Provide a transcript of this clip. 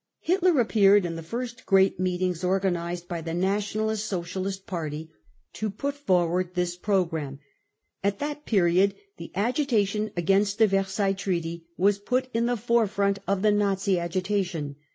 Hitler appeared in the first great meetings organised by the Nationalist Socialist Party to put forward this programme. At that period, the agitation against the Versailles Treaty was put in the forefront of the Nazi agitation.